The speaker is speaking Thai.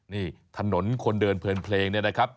นี่ถนนคนเดินเพลินเพลงเนี่ยนะครับ